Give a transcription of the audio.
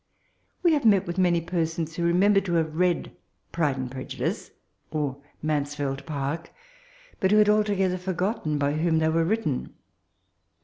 We have met with many persons who remembered to have read Pride and Prejudiee, or * Mamtjidd Park, but who had alto gether (brffotten by whom they were written.